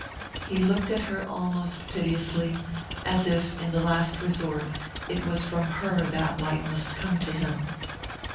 He looked at her almost piteously, as if, in the last resort, it was from her that light must come to him.